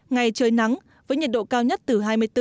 ngày trời nắng với nhiệt độ cao nhất từ hai mươi bốn hai mươi bảy độ c